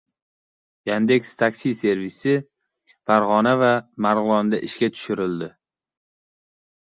Yandex.Taxi servisi Farg‘ona va Marg‘ilonda ishga tushurildi